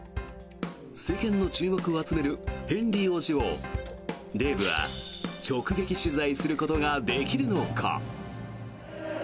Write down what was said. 世間の注目を集めるヘンリー王子をデーブは直撃取材することができるのか。